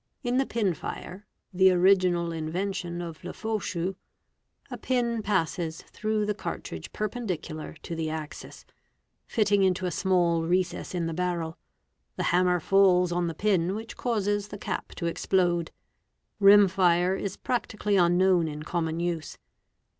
In the pin fire, the original invention of Lefaucheuz, a pin passes through the cartridge perpendicular to the axis, fitting into a small | recess in the barrel, the hammer falls on the pin which causes the cap to ~ explode. Rim fire is practically unknown in common use.